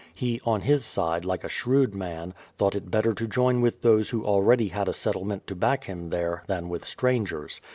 He, on his side, like a shrewd man, thought it better to join with those who already had a settlement to back him there, than with strangers.